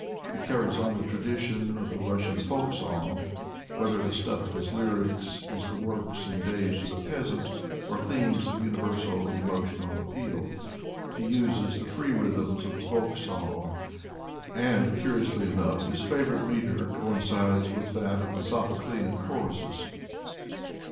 He carries on the tradition of the Russian folk song, whether the stuff of his lyrics is the works and days of the peasant, or themes of universal emotional appeal. He uses the free rhythms of the folk song and, curiously enough, his favorite metre coin cides with that of the Sophoclean choruses.